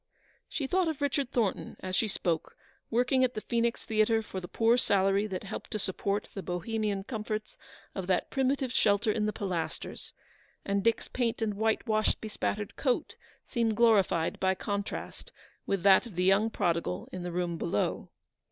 She thought of Richard Thornton, as she spoke, working at the Phoenix Theatre for the poor salary that helped to support the Bohemian com forts of that primitive shelter in the Pilasters; and Dick's paint and whitewash bespattered coat 288 ELEANOR'S VICTORY. seemed glorified by contrast with that of the young prodigal in the room below.